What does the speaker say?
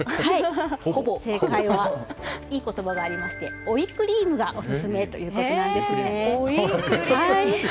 正解は、いい言葉がありまして追いクリームがオススメということなんですね。